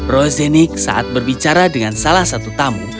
rosenik saat berbicara dengan salah satu tamu